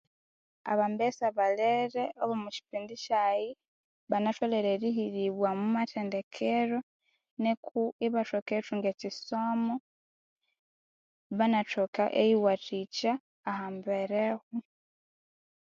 Abambesa balere abo omu kipindi kyaghe banatholere erihiribwa omu mathendekero niko ibathoka erithunga ekisomo banathoka eriyiwathikya ahambereho